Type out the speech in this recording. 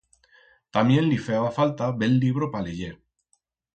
Tamién li feba falta bel libro pa leyer.